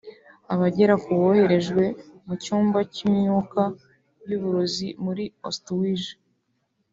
abagera ku boherejwe mu cyumba cy’imyuka y’uburozi muri Auschwitz